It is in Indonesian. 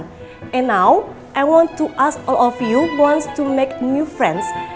sekarang saya ingin bertanya kepada kalian semua yang ingin membuat teman baru